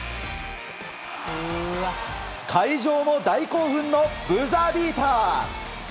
会場も大興奮のブザービーター！